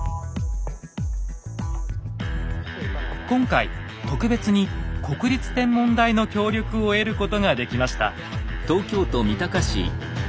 今回特別に国立天文台の協力を得ることができました。